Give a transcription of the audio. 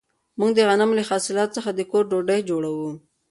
موږ د غنمو له حاصلاتو څخه د کور ډوډۍ جوړوو.